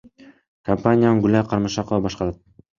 Компанияны Гүлай Карымшакова башкарат.